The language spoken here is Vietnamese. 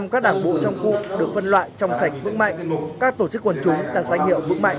một trăm linh các đảng bộ trong cụ được phân loại trong sạch vững mạnh các tổ chức quần chúng đạt danh hiệu vững mạnh